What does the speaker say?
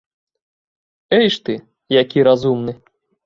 Эйш ты, які разумны!